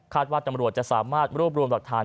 ว่าตำรวจจะสามารถรวบรวมหลักฐาน